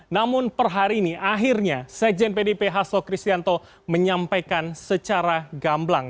namun per hari ini akhirnya sekjen pdp hasto kristianto menyampaikan secara gamblang